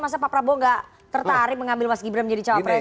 masa pak prabowo gak tertarik mengambil mas gibran menjadi cawapres